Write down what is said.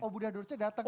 oh buddha durce datang